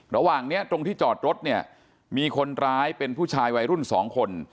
ระหว่างนี้ตรงที่จอดรถเนี่ยมีคนร้ายเป็นผู้ชายวัยรุ่นสองคน